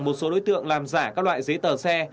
một số đối tượng làm giả các loại giấy tờ xe